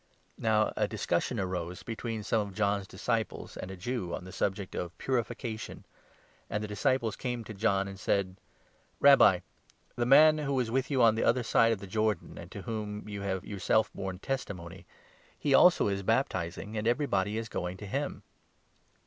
Now 24, a discussion arose between some of John's disciples and a Jew on the subject of ' purification ;' and the disciples came to 26 John and said :" Rabbi, the man who was with you on the other side of the Jordan, and to whom you have yourself borne testimony — he, also, is baptizing, and everybody is going to him."